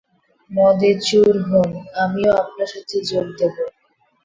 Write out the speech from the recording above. মদে চুর হোন, আমিও আপনার সাথে যোগ দেব।